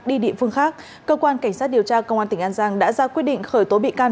đi địa phương khác cơ quan cảnh sát điều tra công an tỉnh an giang đã ra quyết định khởi tố bị can